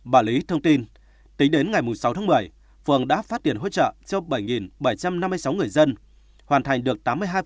bà lý thông tin tính đến ngày sáu tháng một mươi phường đã phát tiền hỗ trợ cho bảy bảy trăm năm mươi sáu người dân hoàn thành được tám mươi hai